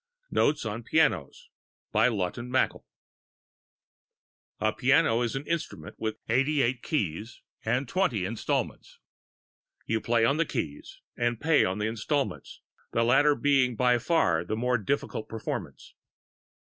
NOTES ON PIANOS A piano is an instrument with eighty eight keys and twenty installments. You play on the keys and pay on the installments the latter being by far the more difficult performance.